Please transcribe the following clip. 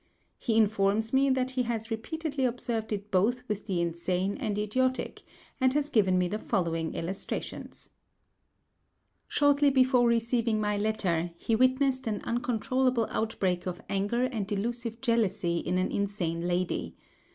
He informs me that he has repeatedly observed it both with the insane and idiotic, and has given me the following illustrations:— Shortly before receiving my letter, he witnessed an uncontrollable outbreak of anger and delusive jealousy in an insane lady.